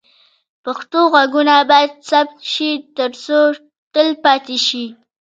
پښتو غږونه باید ثبت شي ترڅو تل پاتې شي.